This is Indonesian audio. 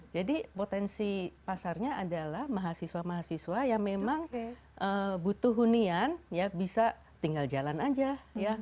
jadi potensi pasarnya adalah mahasiswa mahasiswa yang memang butuh hunian ya bisa tinggal jalan aja ya